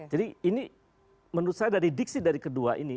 jadi ini menurut saya dari diksi dari kedua ini